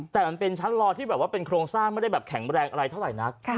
แต่มันเป็นชั้นรอที่แบบว่าเป็นโครงสร้างไม่ได้แบบแข็งแรงอะไรเท่าไหร่นัก